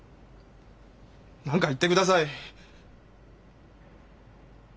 何か言ってください！